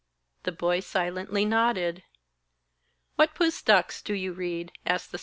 The boy silently nodded. 'What pustaks do you read?' asked the Saheb.